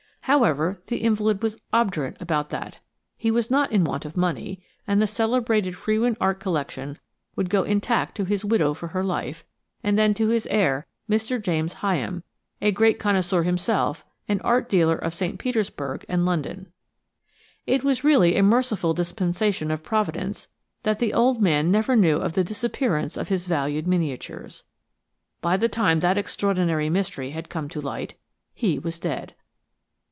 However, the invalid was obdurate about that. He was not in want of money, and the celebrated Frewin art collection would go intact to his widow for her life, and then to his heir, Mr. James Hyam, a great connoisseur himself and art dealer of St. Petersburg and London. It was really a merciful dispensation of Providence that the old man never knew of the disappearance of his valued miniatures. By the time that extraordinary mystery had come to light he was dead.